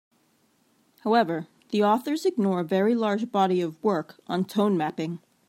However, the authors ignore a very large body of work on tone mapping.